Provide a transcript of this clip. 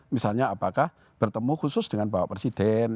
misalnya apakah bertemu khusus dengan bapak presiden